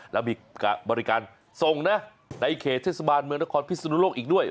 แล้วมีบริการส่งนะในเขตเทศบาลเมืองนครพิศนุโลกอีกด้วย